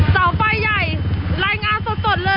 เสาไฟใหญ่รายงานสดเลย